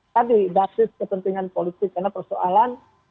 tadi basis kepentingan politik karena persoalan